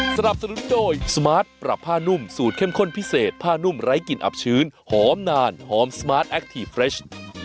สนับสนุนโดยสมาร์ทปรับผ้านุ่มสูตรเข้มข้นพิเศษผ้านุ่มไร้กลิ่นอับชื้นหอมนานหอมสมาร์ทแคคทีฟเฟรช